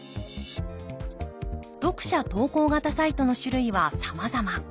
読者投稿型サイトの種類はさまざま。